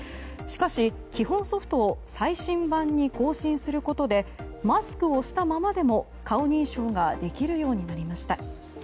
しかし、基本ソフトを最新版に更新することでマスクをしたままでも顔認証ができるようになりました。